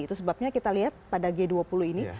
itu sebabnya kita lihat pada g dua puluh ini